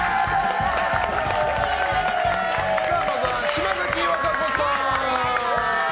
まずは島崎和歌子さん！